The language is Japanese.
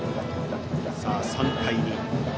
３対２。